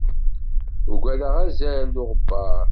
Ugadeɣ azal d uɣebbar